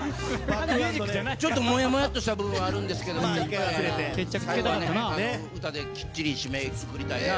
ちょっともやもやした部分はあったんですけど最後は、歌できっちり締めるみたいな。